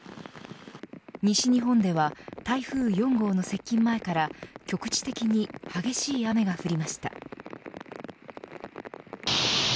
西日本では台風４号の接近前から局地的に激しい雨が降りました。